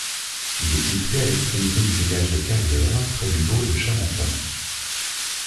Il est situé à l'extrémité du village des Carrières, près du bourg de Charenton.